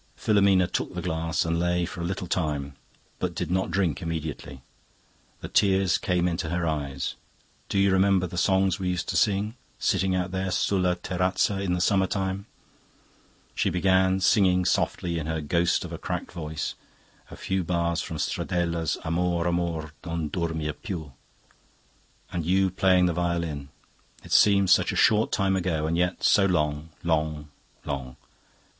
"Filomena took the glass and lay for a little time, but did not drink immediately. The tears came into her eyes. 'Do you remember the songs we used to sing, sitting out there sulla terrazza in the summer time?' She began singing softly in her ghost of a cracked voice a few bars from Stradella's 'Amor amor, non dormir piu.' 'And you playing on the violin, it seems such a short time ago, and yet so long, long, long.